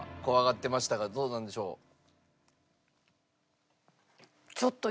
怖がってましたがどうなんでしょう？